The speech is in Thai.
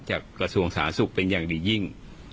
จากกระทรวงศาสุกริกส์เป็นอย่างดียิ่ง